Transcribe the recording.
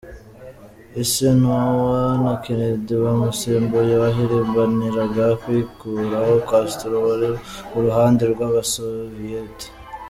Eisenhower na Kennedy wamusimbuye, bahirimbaniraga kwikuraho Castro wari ku ruhande rw’Abasoviyeti.